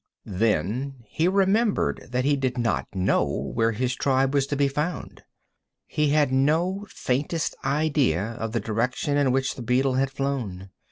Then he remembered that he did not know where his tribe was to be found. He had no faintest idea of the direction in which the beetle had flown.